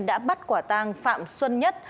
đã bắt quả tang phạm xuân nhất